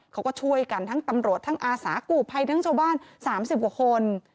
เขาก็ช่วยกันทั้งตำรวจทั้งอาสากู้ภัยทั้งชาวบ้าน๓๐กว่าคน